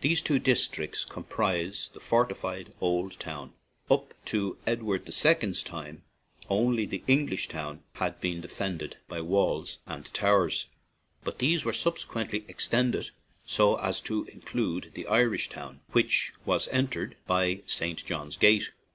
These two districts comprised the fortified old town. Up to Edward II. 's time only the English Town had been de fended by walls and towers, but these were subsequently extended so as to in clude Irish Town, which was entered by St. John's Gate.